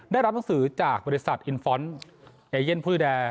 ได้รับหนังสือจากบริษัทอินฟรอนต์เอเย่นผู้แดร์